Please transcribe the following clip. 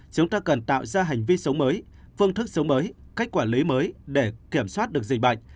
chúng ta cần tạo ra hành vi sống mới phương thức sống mới cách quản lý mới để kiểm soát được dịch bệnh